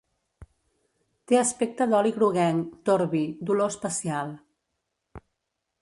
Té aspecte d'oli groguenc, torbi, d'olor especial.